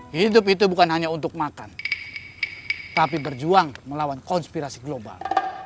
hidup itu bukan hanya untuk makan tapi berjuang melawan konspirasi global